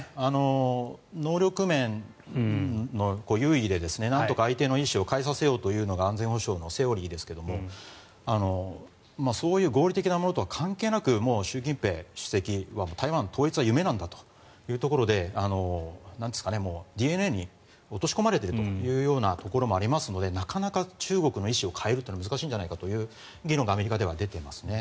能力面の優位でなんとか相手の意思を変えさせようというのが安全保障のセオリーですがそういう合理的なものと関係なく習近平主席は台湾統一が夢なんだというところでＤＮＡに落とし込まれているというところもありますのでなかなか中国の意思を変えるというのは難しいんじゃないかという議論がアメリカでは出ていますね。